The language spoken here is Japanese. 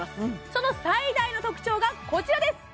その最大の特徴がこちらです